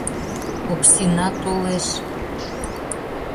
Оксина толеш.